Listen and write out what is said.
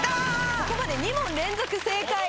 ここまで２問連続正解。